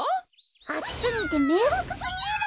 あつすぎてめいわくすぎる！